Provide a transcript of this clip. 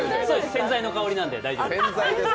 洗剤の香りなので大丈夫です。